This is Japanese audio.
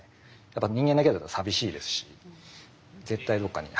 やっぱ人間だけだと寂しいですし絶対どっかに。